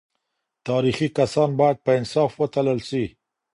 تاريخي کسان بايد په انصاف وتلل سي.